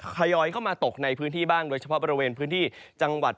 ยอยเข้ามาตกในพื้นที่บ้างโดยเฉพาะบริเวณพื้นที่จังหวัด